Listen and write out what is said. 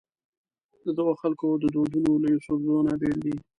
ددغو خلکو دودونه له یوسفزو نه بېل دي.